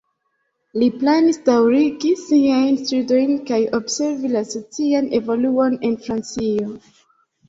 Li planis daŭrigi siajn studojn kaj observi la socian evoluon en Francio.